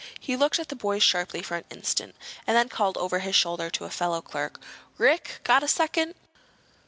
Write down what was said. He looked at the boys sharply for an instant, and then called over his shoulder to a fellow clerk. "Rick! Got a second?"